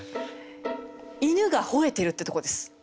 「犬が吠えてる」ってとこです。